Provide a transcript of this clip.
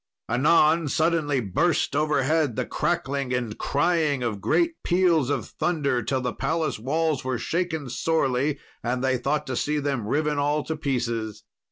Anon suddenly burst overhead the cracking and crying of great peals of thunder, till the palace walls were shaken sorely, and they thought to see them riven all to pieces.